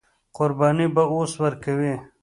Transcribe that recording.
قرباني به اوس ورکوي.